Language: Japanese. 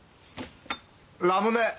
ラムネ！